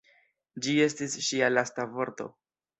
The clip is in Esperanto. Ĝi estis ŝia lasta vorto.